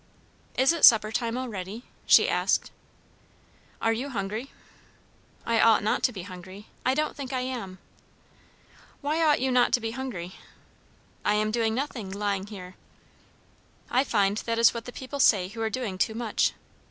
"Is it supper time already?" she asked. "Are you hungry?" "I ought not to be hungry. I don't think I am." "Why ought you not to be hungry?" "I am doing nothing, lying here." "I find that is what the people say who are doing too much.